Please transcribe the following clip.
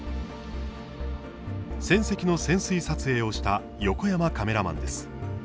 戦跡の潜水撮影をした横山カメラマンです。